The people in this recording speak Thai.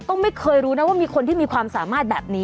ก็ไม่เคยรู้นะว่ามีคนที่มีความสามารถแบบนี้